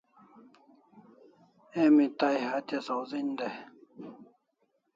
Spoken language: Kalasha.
Emi tai hatya sawzen dai